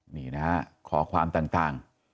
นี่นะครับขอความต่าง